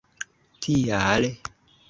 tial